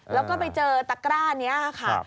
แล้วก็ไปเจอตะกร้านี้ค่ะ